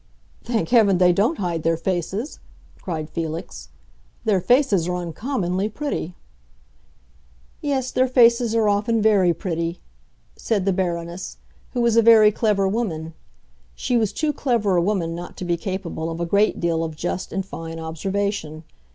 "Thank Heaven they don't hide their faces!" cried Felix. "Their faces are uncommonly pretty." "Yes, their faces are often very pretty," said the Baroness, who was a very clever woman. She was too clever a woman not to be capable of a great deal of just and fine observation.